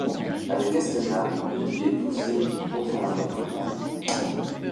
Avec Astana, il y est douzième du contre-la-montre par équipes.